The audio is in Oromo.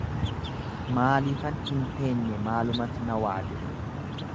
Maaliifan hin teenye maalumat na waade